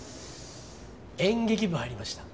演劇部入りました。